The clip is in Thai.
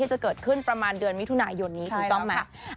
จะเกิดขึ้นประมาณเดือนมิถุนายนนี้ถูกต้องไหม